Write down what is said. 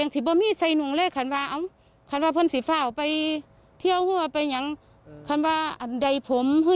ถือไหนผมเม่าก็ว่ามันคือ